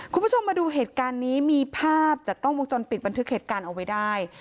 คุณผู้ชมมาดูเหตุการณ์นี้มีภาพจากกล้องวงจรปิดบันทึกเหตุการณ์เอาไว้ได้